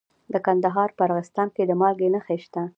د کندهار په ارغستان کې د مالګې نښې شته.